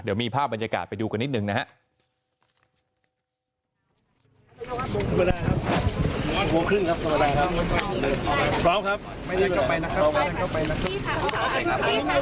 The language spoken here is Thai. เดี๋ยวมีภาพบรรยากาศไปดูกันนิดหนึ่งนะครับ